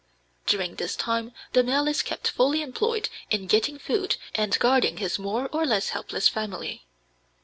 During this time the male is kept fully employed in getting food and guarding his more or less helpless family.